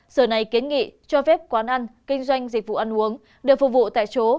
sở này kiến nghị cho phép quán ăn kinh doanh dịch vụ ăn uống đều phục vụ tại chỗ